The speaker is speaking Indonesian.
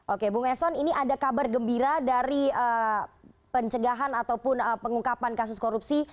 oke bung eson ini ada kabar gembira dari pencegahan ataupun pengungkapan kasus korupsi